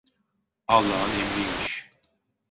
Allahın emriymiş…